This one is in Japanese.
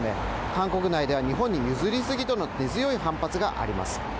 韓国内では日本に譲りすぎとの根強い反発があります。